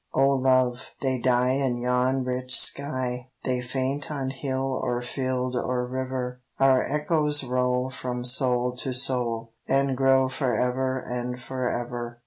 love, they die in yon rich sky, They faint on hill or field or river: Our echoes roll from soul to soul, And grow for ever and for ever.